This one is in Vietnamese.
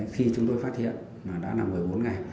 khi chúng tôi phát hiện đã là một mươi bốn ngày